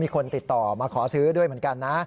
คนติดต่อมาขอซื้อด้วยเหมือนกันนะ